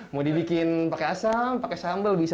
mau dibikin pakai asam pakai sambal bisa